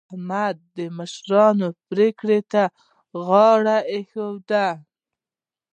احمد د مشرانو پرېکړې ته غاړه کېښودله.